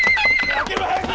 開けろ早く！